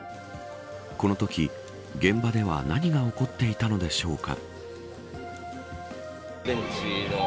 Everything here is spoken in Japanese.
このとき、現場では何が起こっていたのでしょうか。